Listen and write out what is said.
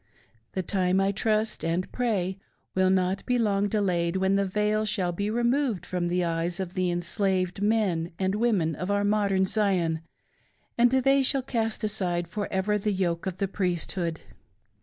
The time, I trust and pray, will not long be delayed when the veil shall be removed from the eyes of the enslaved men and women of our modern Zion, and th«y shall cast aside for ever the yoke of the Priesthood.